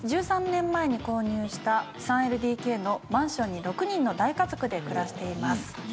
１３年前に購入した３ＬＤＫのマンションに６人の大家族で暮らしています。